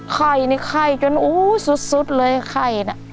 ไข่นี่ไข่จนอู้สุดเลยไข่น่ะ